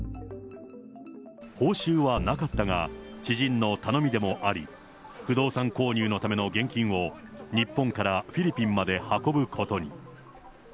報酬はなかったが、知人の頼みでもあり、不動産購入のための現金を、日本からフィリピンまで運ぶことに。